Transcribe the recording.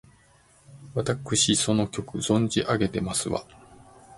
わたくしその曲、存じ上げてますわ！